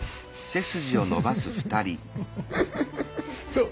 そう。